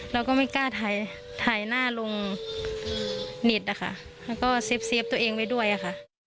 เราก็ไม่กล้าถ่ายหน้าลงนิจและเสียบเซฟตัวเองไปด้วยค่ะ